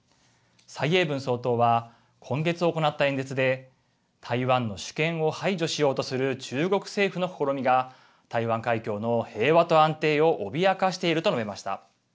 蔡英文総統は今月行った演説で台湾の主権を排除しようとする中国政府の試みが台湾海峡の平和と安定を脅かしていると述べました。